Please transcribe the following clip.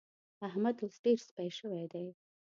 احمد اوس ډېر سپي شوی دی.